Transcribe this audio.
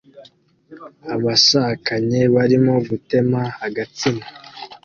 Abashakanye barimo gutema agatsima